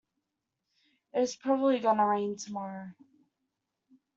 It is probably going to rain tomorrow.